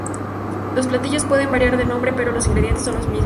Los platillos pueden variar de nombre pero los ingredientes son los mismos.